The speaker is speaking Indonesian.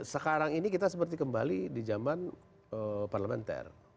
sekarang ini kita seperti kembali di zaman parlementer